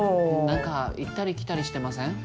なんか行ったり来たりしてません？